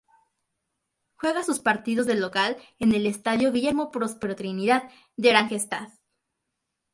Juega sus partidos de local en el Estadio Guillermo Próspero Trinidad, de Oranjestad.